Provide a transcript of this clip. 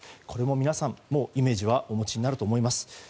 これも皆さんもうイメージはお持ちになると思います。